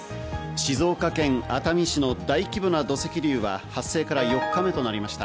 静岡県熱海市の大規模な土石流は発生から４日目となりました。